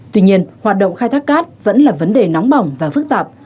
tuy nhiên hoạt động khai thác cát vẫn là vấn đề nóng bỏng và phức tạp